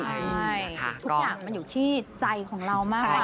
ใช่ทุกอย่างมันอยู่ที่ใจของเรามาก